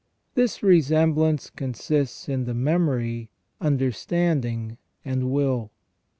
This resemblance consists in the memory, understanding, and will.